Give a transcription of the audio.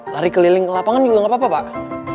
lari keliling lapangan juga nggak apa apa pak